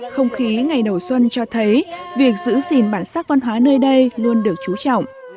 không khí ngày đầu xuân cho thấy việc giữ gìn bản sắc văn hóa nơi đây luôn được chú trọng